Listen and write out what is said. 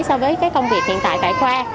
so với cái công việc hiện tại tại khoa